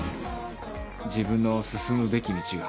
自分の進むべき道が。